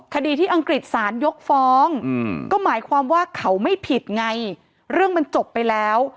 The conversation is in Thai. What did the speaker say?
คดีที่อังกฤษสารยกฟ้องก็หมายความว่าเขาไม่ผิดไงเรื่องมันจบไปแล้ว